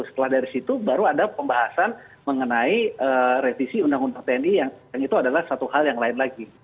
setelah dari situ baru ada pembahasan mengenai revisi undang undang tni yang itu adalah satu hal yang lain lagi